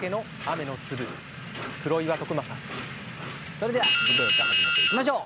それではディベート始めていきましょう。